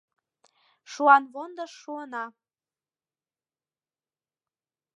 Шуанвондыш шуына